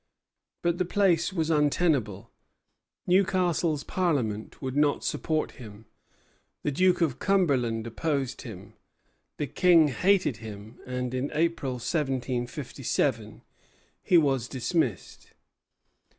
But the place was untenable. Newcastle's Parliament would not support him; the Duke of Cumberland opposed him; the King hated him; and in April, 1757, he was dismissed.